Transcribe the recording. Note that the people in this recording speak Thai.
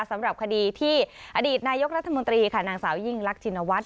สำหรับคดีที่อดีตนายกรัฐมนตรีค่ะนางสาวยิ่งรักชินวัฒน